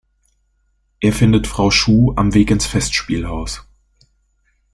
Er findet Frau Schuh am Weg ins Festspielhaus.